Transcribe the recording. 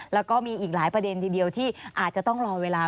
แล้วก็มีอีกหลายประเด็นทีเดียวที่อาจจะต้องรอเวลา